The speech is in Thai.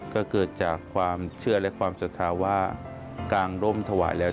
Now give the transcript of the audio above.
ก็เกิดจากความเชื่อและความศรัทธาว่ากางร่มถวายแล้ว